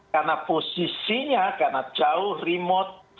karena posisinya karena jauh remote